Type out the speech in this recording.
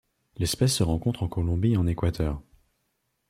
L'espèce se rencontre en Colombie et en Équateur.